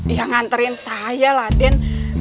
ya nganterin saya lah den